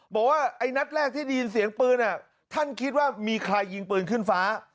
บอกว่าไอ้นัดแรกที่ได้ยินเสียงปืนท่านคิดว่ามีใครยิงปืนขึ้นฟ้า